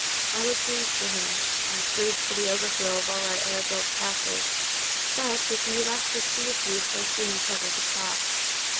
I was grieved for him; I was grieved for the overthrow of all our air built castles: but, with the elasticity of youth, I soon recovered the shock.